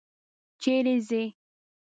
چېرې ځې؟